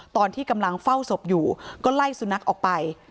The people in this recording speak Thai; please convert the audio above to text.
ตอนที่กำลังเฝ้าศพอยู่ก็ไล่สุนัขออกไป